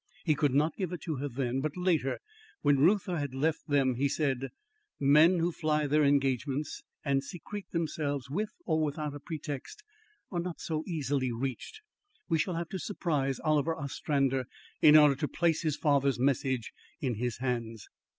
He could not give it to her then, but later, when Reuther had left them, he said: "Men who fly their engagements and secrete themselves, with or without a pretext, are not so easily reached. We shall have to surprise Oliver Ostrander, in order to place his father's message in his hands."